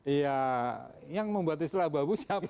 iya yang membuat istilah abu abu siapa